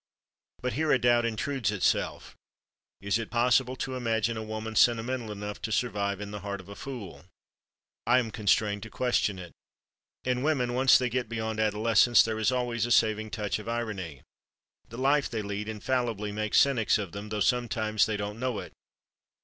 But here a doubt intrudes itself: is it possible to imagine a woman sentimental enough to survive "In the Heart of a Fool"? I am constrained to question it. In women, once they get beyond adolescence, there is always a saving touch of irony; the life they lead infallibly makes cynics of them, though sometimes they don't know it.